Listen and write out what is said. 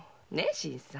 新さん。